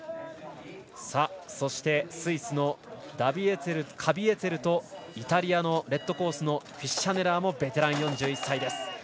そして、スイスのカビエツェルとイタリアのレッドコースのフィッシャネラーもベテラン４１歳。